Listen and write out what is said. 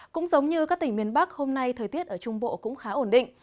cũng giống như các tỉnh miền bắc hôm nay thời tiết ở trung bộ cũng khá ổn định